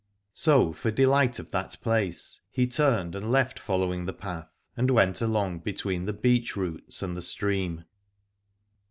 So for delight of that place he turned and left following the path, and went along between the beech roots and the stream.